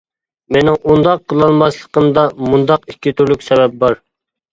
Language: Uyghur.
مېنىڭ ئۇنداق قىلالماسلىقىمدا مۇنداق ئىككى تۈرلۈك سەۋەب بار.